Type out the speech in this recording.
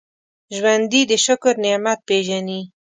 ژوندي د شکر نعمت پېژني